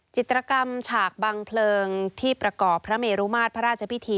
จิตรกรรมฉากบังเพลิงที่ประกอบพระเมรุมาตรพระราชพิธี